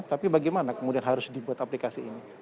tapi bagaimana kemudian harus dibuat aplikasi ini